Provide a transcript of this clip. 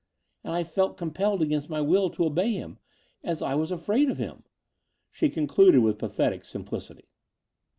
And I felt com pelled against my will to obey him, as I was afraid of him," she concluded with pathetic simplicity.